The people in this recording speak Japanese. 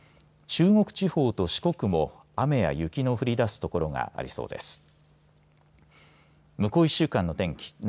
中国地方と四国も雨や雪の降りだす所がありそうです。